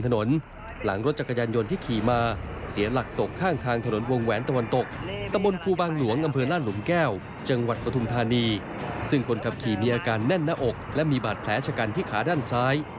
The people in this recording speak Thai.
แน่นหน้าอกและมีบาดแผลชกันที่ขาด้านซ้าย